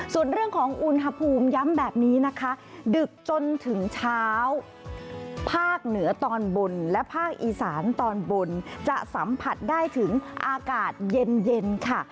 ส่วนเรื่องของอุณหภูมิย้ำแบบนี้นะคะดึกจนถึงเช้าภาคเหนือตอนบนและภาคอีสานตอนบนจะสัมผัสได้ถึงอากาศเย็นค่ะ